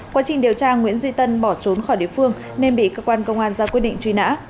quá trình điều tra nguyễn duy tân bỏ trốn khỏi địa phương nên bị cơ quan công an ra quyết định truy nã